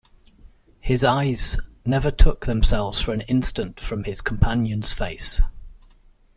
His eyes never took themselves for an instant from his companion's face.